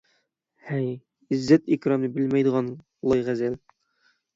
ھەي، ئىززەت - ئىكرامنى بىلمەيدىغان لايغەزەل!